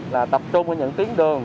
là tập trung ở những tiến đường